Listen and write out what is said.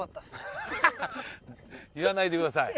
言わないでください。